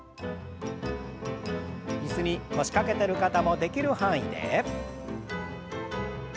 椅子に腰掛けてる方もできる範囲で。